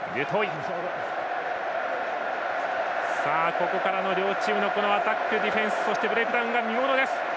ここからの両チームのアタック、ディフェンスそしてブレイクダウンが見ものです。